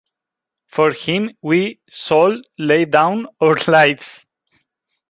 For him we shall lay down our lives.